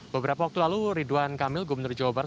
beberapa waktu lalu ridwan kamil gubernur jawa barat